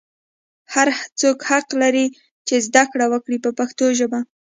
هر څوک حق لري چې زده کړه وکړي په پښتو ژبه.